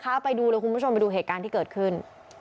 ไปดูเลยคุณผู้ชมไปดูเหตุการณ์ที่เกิดขึ้น